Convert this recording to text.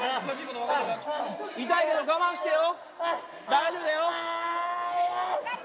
痛いけど我慢してよ。